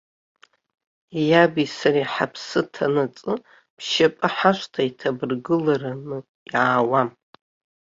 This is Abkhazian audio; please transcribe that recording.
Иаби сареи ҳаԥсы ҭанаҵы бшьапы ҳашҭа иҭабыргыланы иаауам.